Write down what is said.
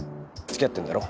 付き合ってんだろ？